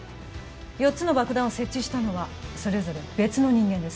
４つの爆弾を設置したのはそれぞれ別の人間です